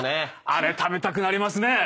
あれ食べたくなりますね。